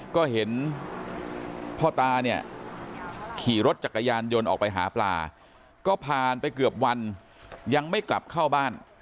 ก็เห็นพ่อตาเนี่ยขี่รถจักรยานยนต์ออกไปหาปลาก็ผ่านไปเกือบวันยังไม่กลับเข้าบ้าน